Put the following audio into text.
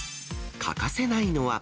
欠かせないのは。